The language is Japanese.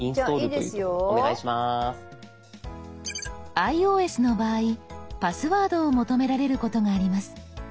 ｉＯＳの場合パスワードを求められることがあります。